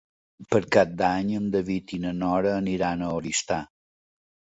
Per Cap d'Any en David i na Nora aniran a Oristà.